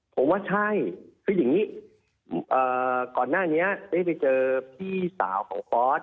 ผมว่าใช่คืออย่างนี้ก่อนหน้านี้ได้ไปเจอพี่สาวของฟอส